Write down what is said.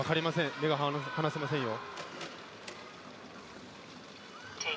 目が離せませんよ。